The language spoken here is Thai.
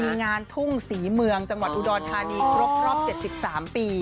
มีงานทุ่งศรีเมืองจังหวัดอุดรธานีครบรอบ๗๓ปี